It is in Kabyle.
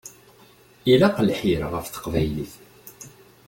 Ilaq lḥir ɣef teqbaylit.